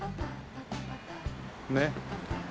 ねっ。